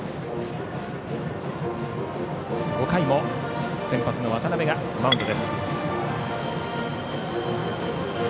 ５回も先発の渡部がマウンド。